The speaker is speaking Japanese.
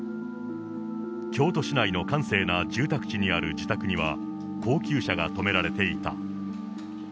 京都市内の閑静な住宅地にある自宅には、高級車が止められていた。